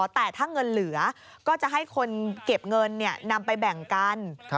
แต่ถ้าเงินเหลือก็จะให้คนเก็บเงินนำไปแบ่งกัน